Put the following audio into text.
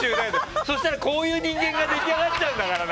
そしたらこういう人間が出来上がっちゃうんだからな！